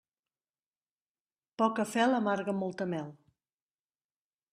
Poca fel amarga molta mel.